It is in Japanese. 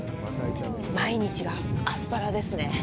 毎日がアスパラですね。